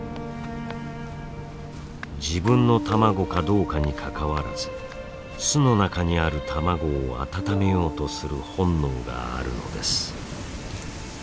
自分の卵かどうかにかかわらず巣の中にある卵を温めようとする本能があるのです。